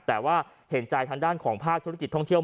แต่ว่าเห็นใจทางด้านของภาคธุรกิจท่องเที่ยว